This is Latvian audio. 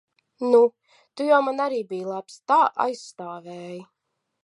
Nu, tu jau man arī biji labs. Tā aizstāvēji.